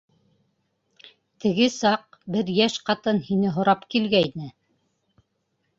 Теге саҡ... бер йәш ҡатын һине һорап килгәйне...